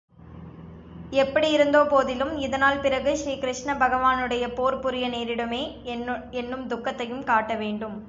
எப்படியிருந்தபோதிலும் இதனால் பிறகு ஸ்ரீகிருஷ்ண பகவானுடன் போர் புரிய நேரிடுமே என்னும் துக்கத்தையும் காட்ட வேண்டும்.